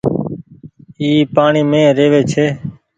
اي پآڻيٚ مين رهوي ڇي۔